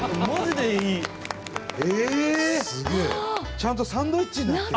ちゃんとサンドイッチになってる。